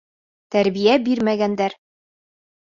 Тәрбиә бирмәгәндәр.